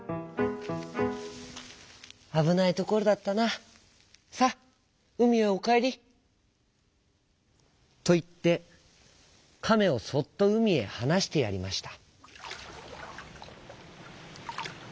「あぶないところだったな。さあうみへおかえり」。といってかめをそっとうみへはなしてやりました。